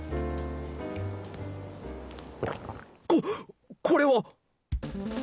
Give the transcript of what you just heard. ここれは！